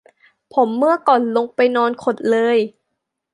ผมเมื่อก่อนลงไปนอนขดเลย